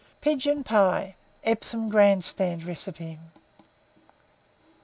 PIGEON PIE (Epsom Grand Stand Recipe).